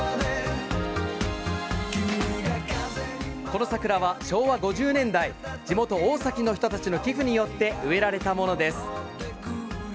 この桜は昭和５０年代、地元・大崎の人たちの寄付によって植えられたものです。